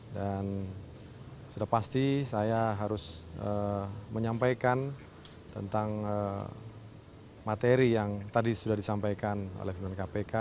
sudah pasti saya harus menyampaikan tentang materi yang tadi sudah disampaikan oleh pimpinan kpk